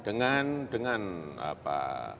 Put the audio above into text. dengan dengan apa